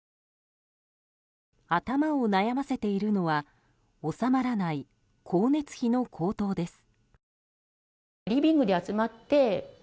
頭を悩ませているのは収まらない光熱費の高騰です。